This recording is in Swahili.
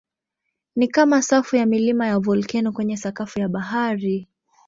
Ni kama safu ya milima ya volkeno kwenye sakafu ya bahari.